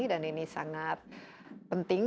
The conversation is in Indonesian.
dan ini sangat penting